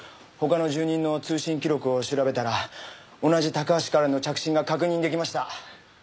他の住人の通信記録を調べたら同じタカハシからの着信が確認出来ました。